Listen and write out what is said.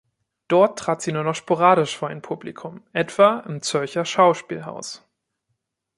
Dort trat sie nur noch sporadisch vor ein Publikum, etwa im Zürcher Schauspielhaus.